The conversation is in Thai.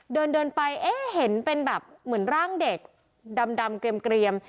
เดินเดินไปเอ๊ะเห็นเป็นแบบเหมือนร่างเด็กดำดำเกรียมเกรียม